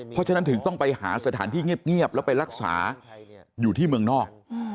เพราะฉะนั้นถึงต้องไปหาสถานที่เงียบแล้วไปรักษาอยู่ที่เมืองนอก